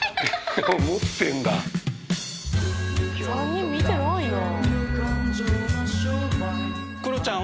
３人見てないな。